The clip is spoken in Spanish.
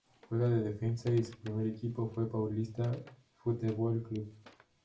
Juega de defensa y su primer equipo fue Paulista Futebol Clube.